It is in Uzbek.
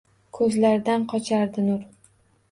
Ko’zlaridan qochardi nur